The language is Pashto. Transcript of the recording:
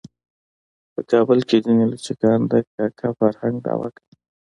په کابل کې ځینې لچکان د کاکه فرهنګ دعوه کوي.